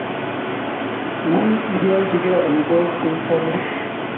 Wui ipialchigei amitwogik che ichame